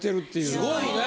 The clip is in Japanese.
すごいね！